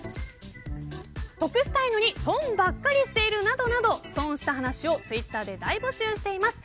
得したいのに損ばっかりしているなどなど損した話をツイッターで大募集しています。＃